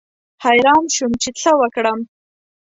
حیران شوم چې څه وکړم.